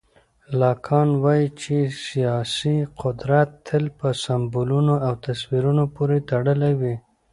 لاکان وایي چې سیاسي قدرت تل په سمبولونو او تصویرونو پورې تړلی وي.